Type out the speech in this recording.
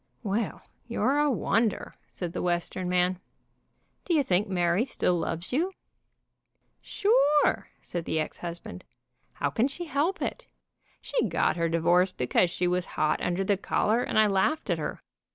"Well, you're a wonder," said the Western man. "Do you think Mary still loves you?" "Sure!" said the ex husband. "How can she help it? She got her divorce because she was hot under the collar, and I laughed at her.